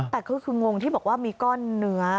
แต่คืองงที่บอกว่ามีก้อนเนื้อ